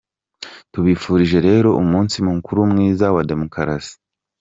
Tubifurije rero umunsi mukuru mwiza wa Demokarasi.